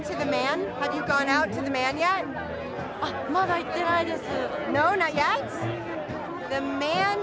あまだ行ってないです。